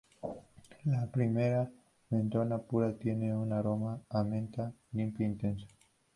La l-mentona pura tiene un aroma a menta limpia intenso.